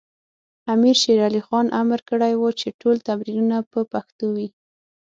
امیر شیر علی خان امر کړی و چې ټول تمرینونه په پښتو وي.